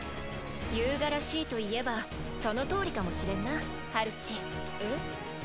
遊我らしいといえばそのとおりかもしれんなハルっち。えっ？